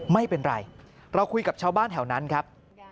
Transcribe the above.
ไม่เป็นไรเราคุยกับชาวบ้านแถวนั้นครับ